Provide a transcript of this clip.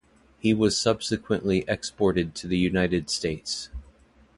He was subsequently exported to the United States.